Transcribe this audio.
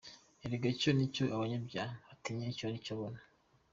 Erega ngo icyo umunyabyaha atinya ni cyo abona!